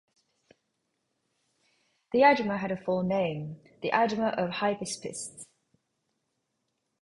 The Agema had a full name, 'The Agema of the Hypaspists'.